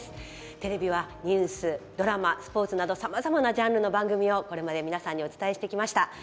テレビはニュースドラマスポーツなどさまざまなジャンルの番組をこれまで皆さんにお伝えしてきました。